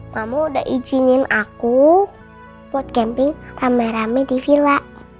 kamu udah izinin aku buat camping rame rame di villa